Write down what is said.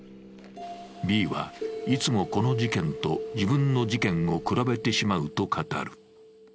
Ｂは、いつも、この事件と自分の事件を比べてしまうと語る。